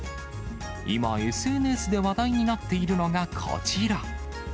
今、ＳＮＳで話題になっているのがこちら。